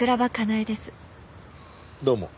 どうも。